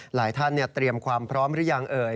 หลายท่านเตรียมความพร้อมหรือยังเอ่ย